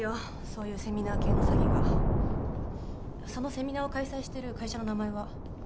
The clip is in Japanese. そういうセミナー系の詐欺がそのセミナーを開催してる会社の名前は？